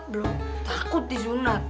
belum takut disunat